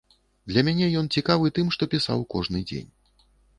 Для мяне ён цікавы тым, што пісаў кожны дзень.